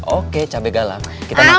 oke cabai galang kita mau